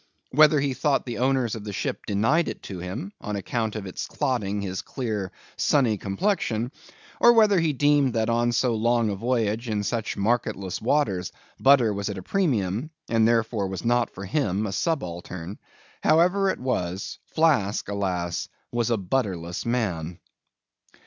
Whether he thought the owners of the ship denied it to him, on account of its clotting his clear, sunny complexion; or whether he deemed that, on so long a voyage in such marketless waters, butter was at a premium, and therefore was not for him, a subaltern; however it was, Flask, alas! was a butterless man!